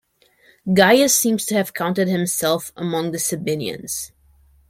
Gaius seems to have counted himself among the Sabinians.